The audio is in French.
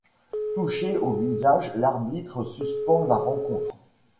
Touché au visage l'arbitre suspend la rencontre.